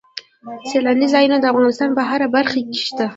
سیلاني ځایونه د افغانستان په هره برخه کې شته.